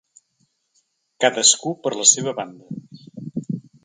Cadascú per la seva banda.